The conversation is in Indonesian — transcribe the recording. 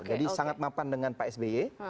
jadi sangat mapan dengan psb iya